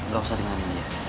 gak usah bingungin dia